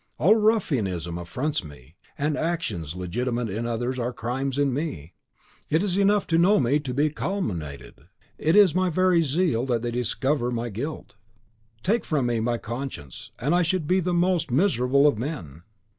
All ruffianism affronts me, and actions legitimate in others are crimes in me. It is enough to know me to be calumniated. It is in my very zeal that they discover my guilt. Take from me my conscience, and I should be the most miserable of men!"